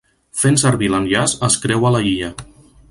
Fent servir l'enllaç es creua la illa.